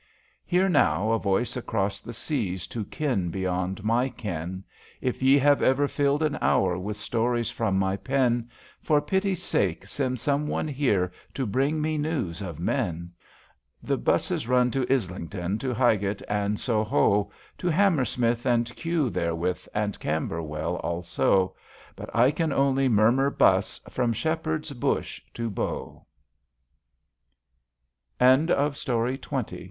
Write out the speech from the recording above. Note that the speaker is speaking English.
Hear now, a voice across the seas To kin beyond my ken, If ye have ever filled an hour With stories from my pen, For pity's sake send some one here To bring me news of men I The ^buses run to Islington, To Highgate and Soho, To Hammersmith and Kew therewith, And Camherwell also, But I can only murmur '' 'B